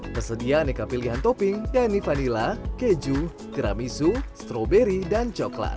tersedia aneka pilihan topping yakni vanila keju tiramisu stroberi dan coklat